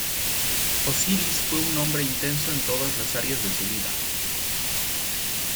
Osiris fue un hombre intenso en todas las áreas de su vida.